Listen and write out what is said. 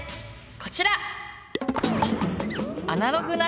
こちら！